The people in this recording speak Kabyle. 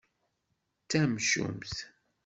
D tamcumt.